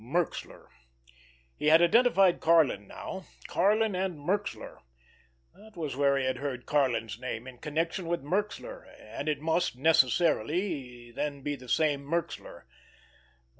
Merxler! He had identified Karlin now! Karlin and Merxler! That was where he had heard Karlin's name—in connection with Merxler—and it must, necessarily then be the same Merxler.